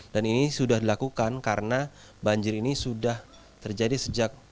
dan ini sudah dilakukan karena banjir ini sudah terjadi sejak rumah